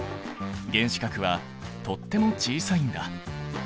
原子核はとっても小さいんだ。